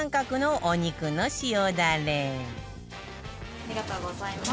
ありがとうございます。